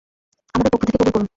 আমাদের পক্ষ থেকে কবুল করুন।